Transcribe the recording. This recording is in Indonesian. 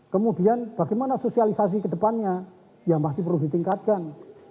kemudian bagaimana sosialisasi ke depannya yang pasti perlu ditingkatkan